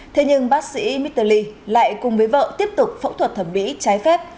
thế nhưng bác sĩ mitterly lại cùng với vợ tiếp tục phẫu thuật thẩm mỹ trái phép